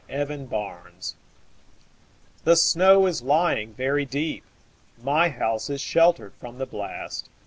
Convention THE SNOW is lying very deep.My house is sheltered from the blast.